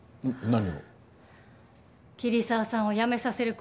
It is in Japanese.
何？